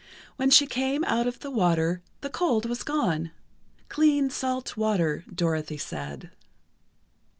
When she came out of the water, the cold was gone. Clean, salt water, Dorothy said.